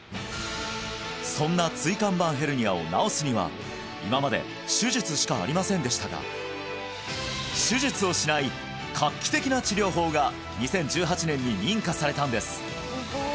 そんな椎間板ヘルニアを治すには今まで手術しかありませんでしたが手術をしない画期的な治療法が２０１８年に認可されたんです